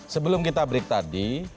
sebelum kita break tadi